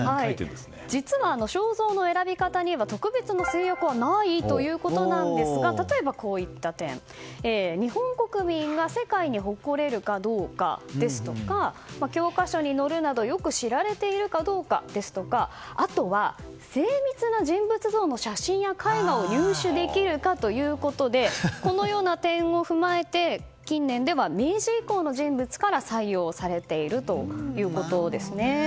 実は、肖像の選び方には特別な制約はないということですが例えば、こういった点日本国民が世界に誇れるかどうかですとか教科書に載るなどよく知られているかですとかあとは、精密な人物像の写真や絵画を入手できるかということでこのような点を踏まえて近年では明治以降の人物から採用されているということです。